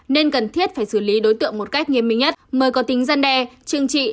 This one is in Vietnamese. nên cần thiết phải xử lý đối tượng một cách nghiêm minh nhất mới có tính gian đe chương trị